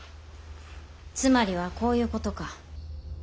つまりはこういうことか。